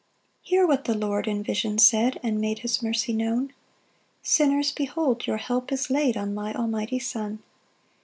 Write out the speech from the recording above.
1 Hear what the Lord in vision said, And made his mercy known: "Sinners, behold your help is laid "On my almighty Son.